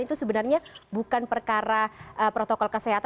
itu sebenarnya bukan perkara protokol kesehatan